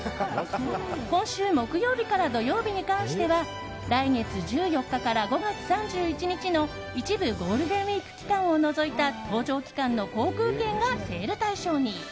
今週木曜日から土曜日に関しては来月１４日から５月３１日の一部ゴールデンウィーク期間を除いた搭乗期間の航空券がセール対象に。